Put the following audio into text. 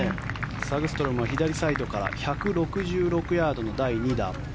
サグストロムは左サイドから１６６ヤードの第２打。